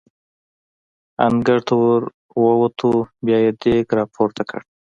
د انګړ ته ور ووتو، بیا یې دېګ را پورته کړ.